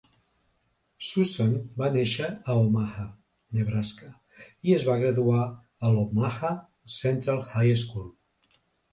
Susan va néixer a Omaha, Nebraska, i es va graduar a l'Omaha Central High School.